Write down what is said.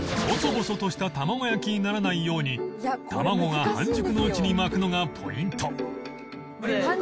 ボソボソとしたたまご焼きにならないようにたまごが半熟のうちに巻くのがポイント